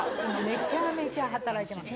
めちゃめちゃ働いてます。